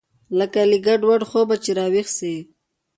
لکه له ګډوډ خوبه چې راويښ سې.